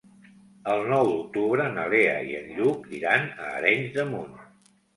El nou d'octubre na Lea i en Lluc iran a Arenys de Munt.